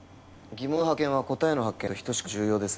疑問の発見は答えの発見と等しく重要です。